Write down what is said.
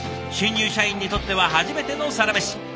新入社員にとっては初めてのサラメシ。